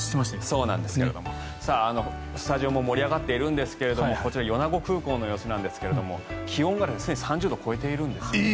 そうなんですけれどもさあ、スタジオも盛り上がっているんですがこちら、米子空港の様子ですが気温がすでに３０度を超えているんです。